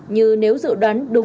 như nếu dự đoán đúng